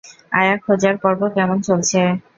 আয়া খোঁজার পর্ব কেমন চলছে?